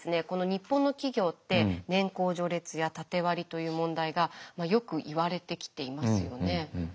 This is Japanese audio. この日本の企業って年功序列や縦割りという問題がよく言われてきていますよね。